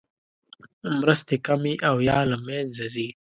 مرستې کمې او یا له مینځه ځي.